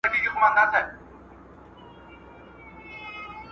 که روښان و که خوشحال و، پاچاخان و که منظور دی